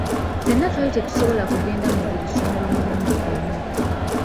Ffenna twali tetusobola kugenda mu buli ssomero mulundi gumu.